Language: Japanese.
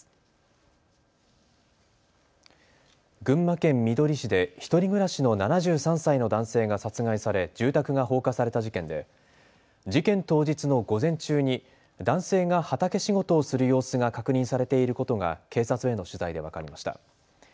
群馬県みどり市で１人暮らしの７３歳の男性が殺害され住宅が放火された事件で事件当日の午前中に男性が畑仕事をする様子が確認されていることが警察への取材で分かりました。